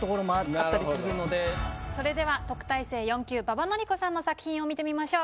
それでは特待生４級馬場典子さんの作品を見てみましょう。